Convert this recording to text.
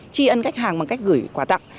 tri ân khách hàng bằng cách gửi quà tặng